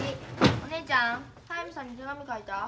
お姉ちゃん速水さんに手紙書いた？